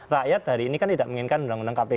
rakyat hari ini kan tidak menginginkan undang undang kpk